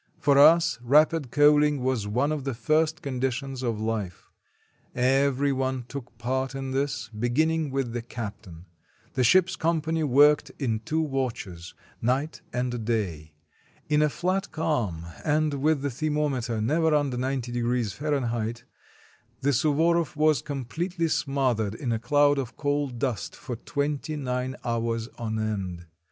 For us rapid coaling was one of the first conditions of life; every one took part in this, beginning with the cap tain; the ship's company worked in two watches, night and day. In a flat calm, and with the thermometer never under 90° F., the Suvoroff was completely smothered in a cloud of coal dust for twenty nine hours on end.